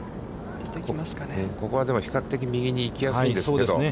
ここはでも比較的右に行きやすいんですけど。